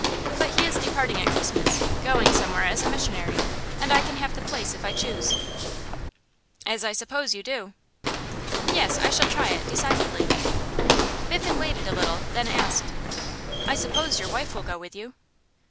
But he is departing at Christmas going somewhere as a missionary; and I can have the place if I choose.' 'As I suppose you do?' 'Yes. I shall try it, decidedly.' Biffen waited a little, then asked: 'I suppose your wife will go with you?